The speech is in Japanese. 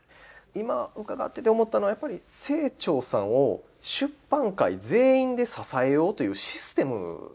今伺ってて思ったのはやっぱり清張さんを出版界全員で支えようというシステムですよね。